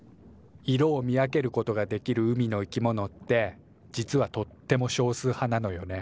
色を見分けることができる海のいきものって実はとっても少数派なのよね。